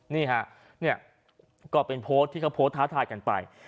นี่ฮะเนี่ยก็เป็นโพสต์ที่เขาโพสต์ท้าทายกันไป